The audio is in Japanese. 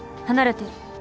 離れて。